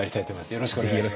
よろしくお願いします。